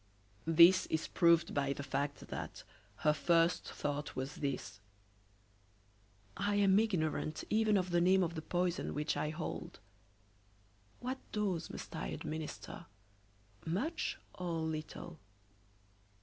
This is proved by the fact that her first thought was this: "I am ignorant even of the name of the poison which I hold. What dose must I administer, much or little?"